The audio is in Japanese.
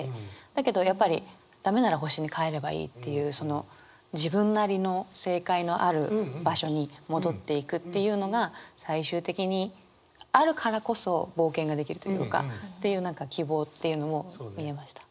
だけどやっぱり「ダメなら星に帰ればいい」っていうその自分なりの正解のある場所に戻っていくっていうのが最終的にあるからこそ冒険ができるというか。っていう何か希望っていうのも見えました。